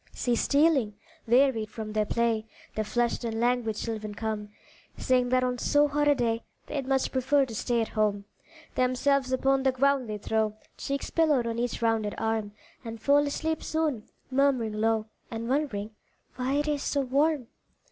See stealing, wearied from their play, The flushed and languid children come, Saying that on so hot a day They'd much prefer to stay at home. Themselves upon the ground they throw, Cheeks pillowed on each rounded arm And fall asleep soon, murmuring low, And wondering "why it is so warm?"